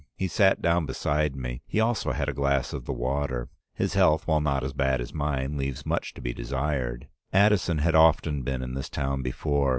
He sat down beside me. He also had a glass of the water. His health, while not as bad as mine, leaves much to be desired. "Addison had often been in this town before.